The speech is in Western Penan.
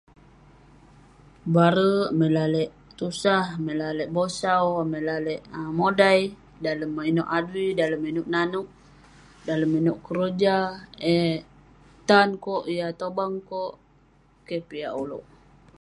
Nebare amai lalek tusah, amai lalek bosau, amai lalek um modai dalem inouk adui, dalem inouk nanouk, dalem inouk keroja. Eh tan kok, eh tobang kok. Keh piak ulouk.